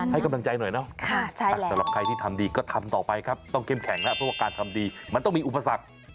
โปรดติดตามตอนต่อไป